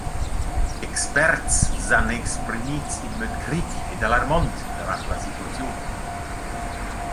Experts s’han exprimits in möd critic ed alarmont davart la situaziun.